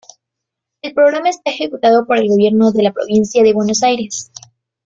El programa está ejecutado por el gobierno de la Provincia de Buenos Aires.